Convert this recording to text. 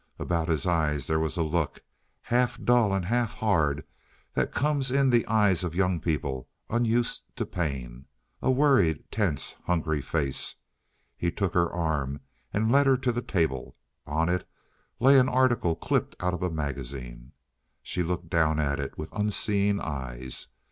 About his eyes there was the look, half dull and half hard, that comes in the eyes of young people unused to pain. A worried, tense, hungry face. He took her arm and led her to the table. On it lay an article clipped out of a magazine. She looked down at it with unseeing eyes.